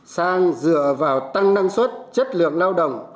sang dựa vào tăng năng suất chất lượng lao động